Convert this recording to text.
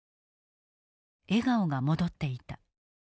笑顔が戻っていた。